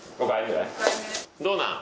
どうなん？